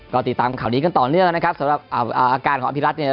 ก็ติดตามข่าวนี้กันต่อเนื่องนะครับสำหรับอาการของอภิรัตนเนี่ย